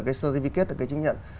cái certificate là cái chứng nhận